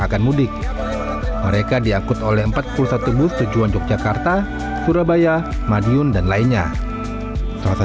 akan mudik mereka diangkut oleh empat puluh satu bus tujuan yogyakarta surabaya madiun dan lainnya salah satu